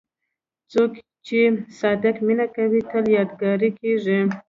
څوک چې صادق مینه کوي، تل یادګاري کېږي.